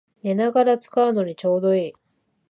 寝ながら使うのにちょうどいい